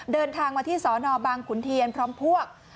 เดินทางมาที่สนบางขุนเทียนพร้อมพวก